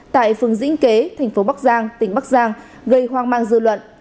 tại phường dĩnh kế tp bắc giang tỉnh bắc giang gây hoang mang dư luận